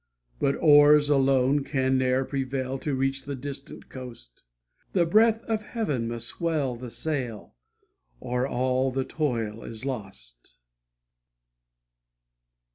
But oars alone can ne'er prevail To reach the distant coast; The breath of Heaven must swell the sail, Or all the toil is lost.